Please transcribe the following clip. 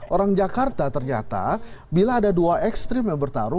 orang jakarta ternyata bila ada dua ekstrim memang tidak bisa dikumpulkan